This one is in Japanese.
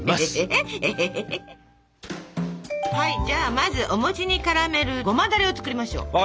じゃあまずお餅にからめるごまだれを作りましょう！